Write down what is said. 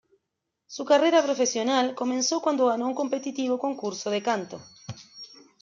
Su carrera profesional comenzó cuando ganó un competitivo concurso de canto.